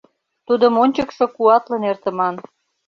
Тудым ончыкшо куатлын эртыман.